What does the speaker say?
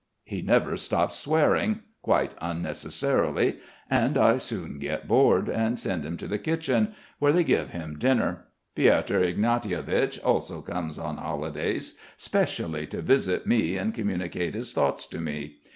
He never stops swearing, quite unnecessarily, and I soon get bored, and send him to the kitchen, where they give him dinner. Piotr Ignatievich also comes on holidays specially to visit me and communicate his thoughts to me.